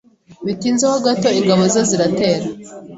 Bitinze ho gato ingabo ze ziratera